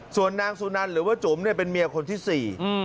ส่วนนางสุนันหรือว่าจุ๋มเป็นเมียคนที่๔